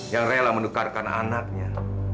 yang rela mendukarkan anaknya